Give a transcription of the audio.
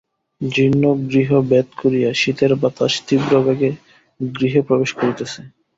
জীর্ণ গৃহ ভেদ করিয়া শীতের বাতাস তীব্রবেগে গৃহে প্রবেশ করিতেছে।